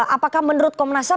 apakah menurut komnas sam